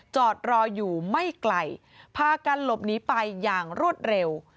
จอดรออยู่ไม่ไกลพากันหลบหนีไปอย่างรวดเร็ว